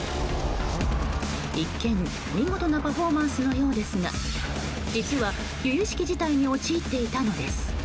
一見、見事なパフォーマンスのようですが実は、由々しき事態に陥っていたのです。